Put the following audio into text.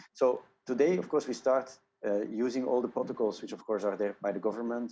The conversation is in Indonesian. jadi hari ini kita mulai menggunakan protokol protokol yang ada oleh pemerintah